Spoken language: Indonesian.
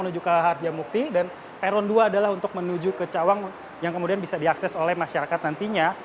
menuju ke harjamukti dan peron dua adalah untuk menuju ke cawang yang kemudian bisa diakses oleh masyarakat nantinya